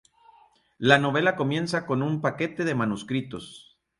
La novela comienza con un paquete de manuscritos.